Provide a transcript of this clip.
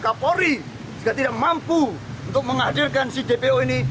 kapolri juga tidak mampu untuk menghadirkan si dpo ini